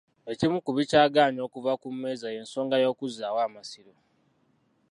Ekimu ku bikyagaanye okuva ku mmeeza y'ensonga y'okuzzaawo Amasiro.